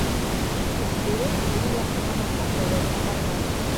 Күкбүре үҙе яҡынламаһа, ылығып бармай.